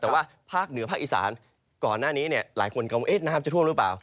แต่ว่าภาคเหนือภาคอีสานก่อนหน้านี้หลายคนกังวลน้ำจะท่วมหรือเปล่า